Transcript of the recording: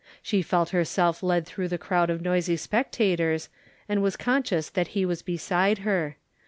She felt herself led through the crowd of noisy spectators, and was conscious that he was beside her.